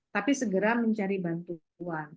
tapi segera mencari bantuan